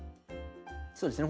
そうですね